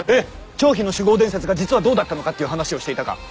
張飛の酒豪伝説が実はどうだったのかっていう話をしていたか？